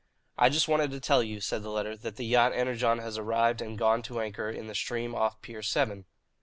"I just wanted to tell you," said the latter, "that the yacht Energon has arrived and gone to anchor in the stream off Pier Seven."